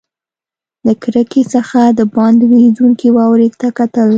له کړکۍ څخه دباندې ورېدونکې واورې ته کتل.